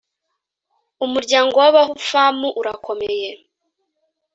umuryango w ‘Abahufamu urakoomeye.